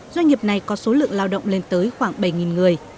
doanh nghiệp này có số lượng lao động lên tới khoảng bảy người